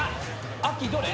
アッキーどれ？